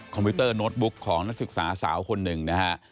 พิวเตอร์โน้ตบุ๊กของนักศึกษาสาวคนหนึ่งนะฮะ